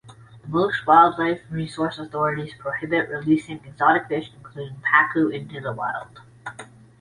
Most wildlife resource authorities prohibit releasing exotic fish, including pacu, into the wild.